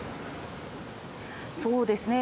そうですね。